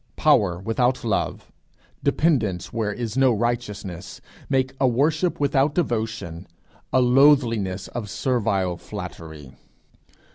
Power without love, dependence where is no righteousness, wake a worship without devotion, a loathliness of servile flattery.